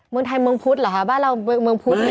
เมืองไทยเมืองพุธเหรอคะบ้านเราเมืองพุธ